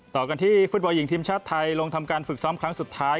ต่อกันที่ฟุตบอลหญิงทีมชาติไทยลงทำการฝึกซ้อมครั้งสุดท้าย